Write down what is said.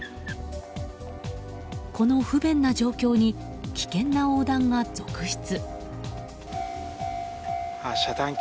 この不便な状況に危険な横断が続出。